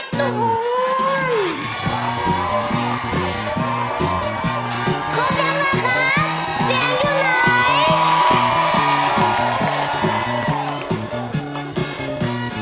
ขอแจ้งนะครับแจ้งอยู่ไหน